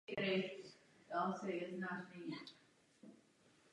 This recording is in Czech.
Byl zde inovační výrobce, který vyvinul inhalátor pro astmatiky.